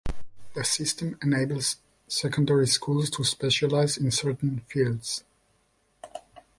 The system enables secondary schools to specialise in certain fields.